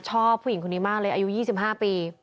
ผู้หญิงคนนี้มากเลยอายุ๒๕ปี